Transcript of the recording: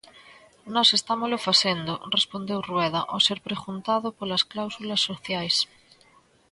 "Nós estámolo facendo", respondeu Rueda ao ser preguntado polas cláusulas sociais.